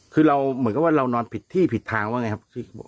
คือเราเหมือนกับว่าเรานอนผิดที่ผิดทางว่าไงครับ